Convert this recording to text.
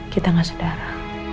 kita gak sedara